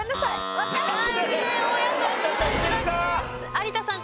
有田さん